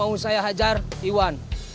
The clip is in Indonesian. mau saya hajar iwan